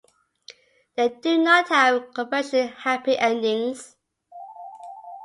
They do not have conventional happy endings.